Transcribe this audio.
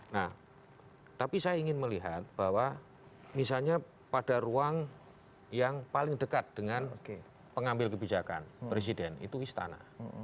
nah tapi saya ingin melihat bahwa misalnya pada ruang yang paling dekat dengan pengambil kebijakan presiden itu istana